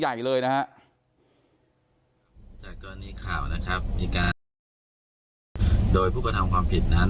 ใหญ่เลยนะฮะจากกรณีข่าวนะครับมีการโดยผู้กระทำความผิดนั้น